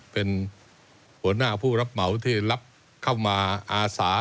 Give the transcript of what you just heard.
เป็นหัวหน้าผู้รับเหมาที่รับเข้ามาอาสา